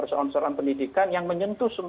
soal pendidikan yang menyentuh